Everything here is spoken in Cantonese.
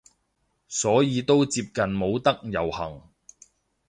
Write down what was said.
所以都接近冇得遊行